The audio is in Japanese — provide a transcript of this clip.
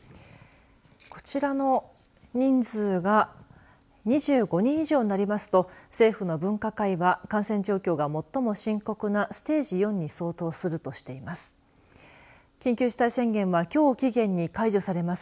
こちらの人数が２５人以上になりますと政府の分科会は感染状況が最も深刻なステージ４に相当するとしています。